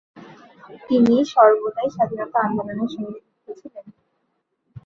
তিনি সর্বদাই স্বাধীনতা আন্দোলনের সঙ্গে যুক্ত ছিলেন।